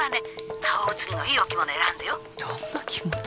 顔写りのいいお着物選んでよどんな着物